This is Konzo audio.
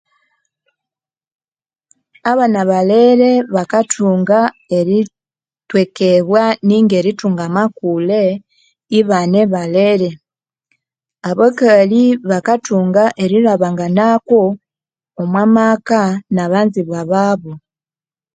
Abana balere bakathunga eritwekebwa neko erithunga amakulhe ibane balhere abakakalhi bakathungu erilhabanganako omwamaka naba nzibwa babu